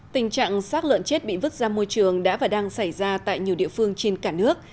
tình trạng sát lợn chết bị vứt ra môi trường đã và đang xảy ra tại nhiều địa phương trên cả nước